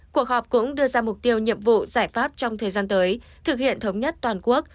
cuộc họp cũng đưa ra mục tiêu nhiệm vụ giải pháp trong thời gian tới thực hiện thống nhất toàn quốc